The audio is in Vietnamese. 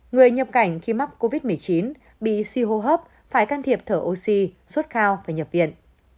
người nhập cảnh khi mắc covid một mươi chín bị suy hô hấp phải can thiệp thở oxy suốt cao và nhập viện